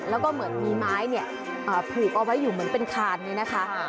แล้วก็เหมือนมีไม้เนี่ยผูกเอาไว้อยู่เหมือนเป็นคานเนี่ยนะคะ